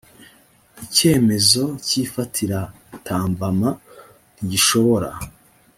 icyemezo cy’ifatiratambama ntigishobora